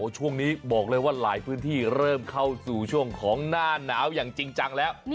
ช่วงนี้บอกเลยว่าหลายพื้นที่เริ่มเข้าสู่ช่วงของหน้าหนาวอย่างจริงจังแล้ว